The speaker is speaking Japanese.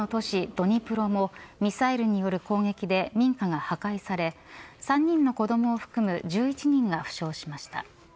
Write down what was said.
ドニプロもミサイルによる攻撃で民家が破壊され３人の子どもを含む１１人が負傷しました。